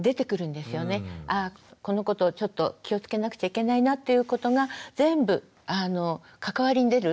あこのことをちょっと気をつけなくちゃいけないなっていうことが全部関わりに出る。